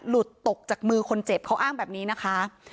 หลุดตกจากมือคนเจ็บเขาอ้างแบบนี้นะคะ